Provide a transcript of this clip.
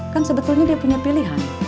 kan sebetulnya dia punya pilihan